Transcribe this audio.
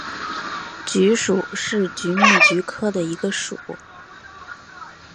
菊属是菊目菊科的一个属。